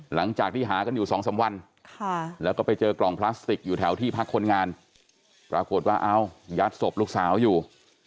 หลังจากที่หากันอยู่๒๓วันแล้วก็ไปเจอกล่องพลาสติกอยู่แถวที่พักคนงานปรากฏว่าเอ้ายัดศพลูกสาวอยู่